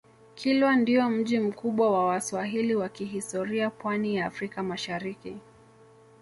kilwa ndio mji mkubwa wa waswahili wa kihistoria pwani ya afrika mashariki